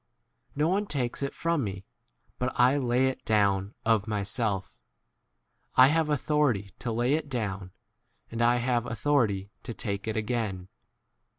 No one takes it from me, but I * lay it down of myself, I have authority 1 to lay it down and I have authority to take it again.